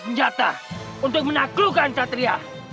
senjata untuk menaklukkan ksatria